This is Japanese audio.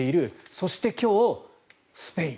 そして今日スペイン。